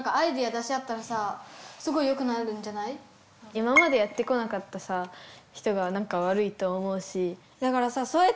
今までやってこなかった人がなんか悪いと思うし。